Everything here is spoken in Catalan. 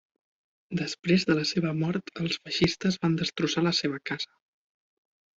Després de la seva mort els feixistes van destrossar la seva casa.